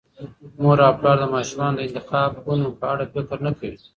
مور او پلار د ماشومانو د انتخابونو په اړه فکر نه کوي.